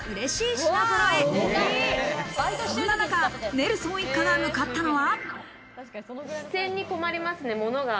そんな中、ネルソン一家が向かったのは。